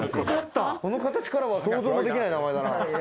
この形からは想像もできない名前だな。